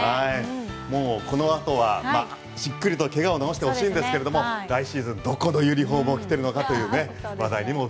この後はしっかりと怪我を治してほしいんですけれど来シーズンどこのユニフォームを着ているのかという。